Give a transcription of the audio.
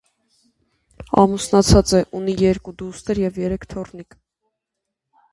Ամուսնացած է, ունի երկու դուստր և երեք թոռնիկ։